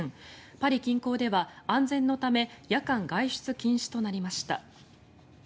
パリ近郊では安全のため夜間外出禁止となりました。